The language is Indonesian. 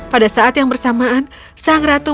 pada saat yang bersamaan sang ratu